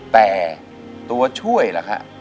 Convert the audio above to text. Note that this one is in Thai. แต่ตัวช่วยล่ะครับ